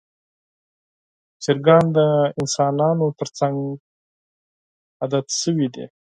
چرګان د انسانانو تر څنګ عادت شوي دي.